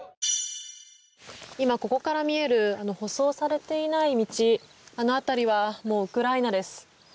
今ここから見えるあの舗装されていない道あの辺りはもうウクライナです。